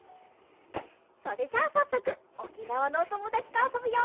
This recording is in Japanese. それじゃあさっそくおきなわのおともだちとあそぶよ！